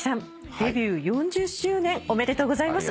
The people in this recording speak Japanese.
デビュー４０周年おめでとうございます。